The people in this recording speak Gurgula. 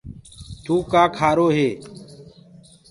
توُ ڪآ کآ کآرو هي؟